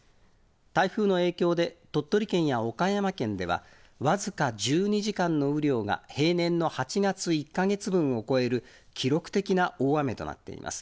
台風の影響で鳥取県や岡山県では、僅か１２時間の雨量が、平年の８月１か月分を超える記録的な大雨となっています。